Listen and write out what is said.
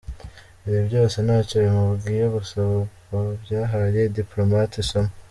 Ibi byose ntacyo bimubwiye gusa byahaye Diplomate isomo.